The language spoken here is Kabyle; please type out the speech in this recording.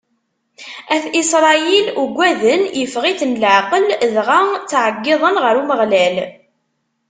At Isṛayil ugaden, iffeɣ-iten leɛqel, dɣa ttɛeggiḍen ɣer Umeɣlal.